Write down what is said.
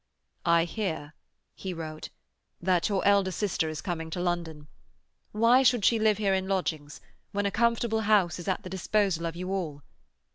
"I hear," he wrote, "that your elder sister is coming to London. Why should she live here in lodgings, when a comfortable house is at the disposal of you all?